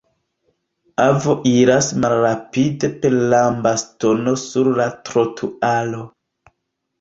Avo iras malrapide per lambastono sur la trotuaro.